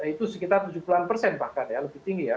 itu sekitar tujuh puluh an persen bahkan ya lebih tinggi ya